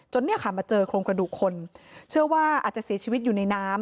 เนี่ยค่ะมาเจอโครงกระดูกคนเชื่อว่าอาจจะเสียชีวิตอยู่ในน้ำ